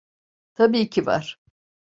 Tabii ki var.